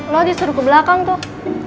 lo disuruh ke belakang tuh